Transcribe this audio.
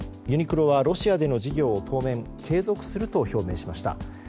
ユニクロはロシアでの事業を当面、継続すると表明しました。